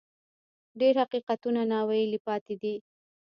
ډېر حقیقتونه ناویلي پاتې دي.